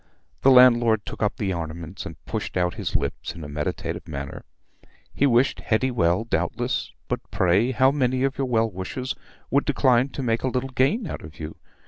The landlord took up the ornaments and pushed out his lips in a meditative manner. He wished Hetty well, doubtless; but pray, how many of your well wishers would decline to make a little gain out of you?